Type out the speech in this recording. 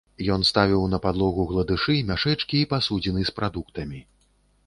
Ён ставіў на падлогу гладышы, мяшэчкі і пасудзіны з прадуктамі.